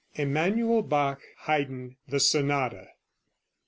EMANUEL BACH; HAYDN; THE SONATA.